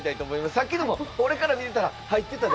さっきのも俺から見てたら入ってたで。